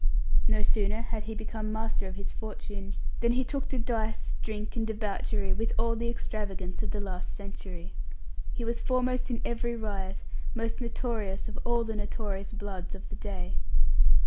No sooner had he become master of his fortune than he took to dice, drink, and debauchery with all the extravagance of the last century. He was foremost in every riot, most notorious of all the notorious "bloods" of the day.